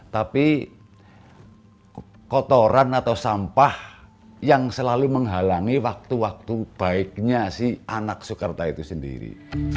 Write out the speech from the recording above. tapi kotoran atau sampah yang selalu menghalangi waktu waktu baiknya si anak soekarta itu sendiri